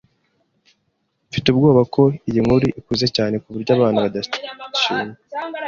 Mfite ubwoba ko iyi nkuru ikuze cyane kuburyo abana badashima.